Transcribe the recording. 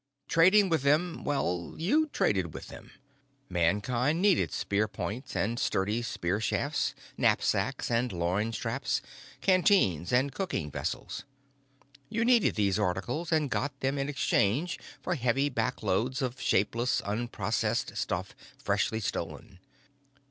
Trading with them well, you traded with them. Mankind needed spear points and sturdy spear shafts, knapsacks and loin straps, canteens and cooking vessels. You needed these articles and got them in exchange for heavy backloads of shapeless, unprocessed stuff freshly stolen.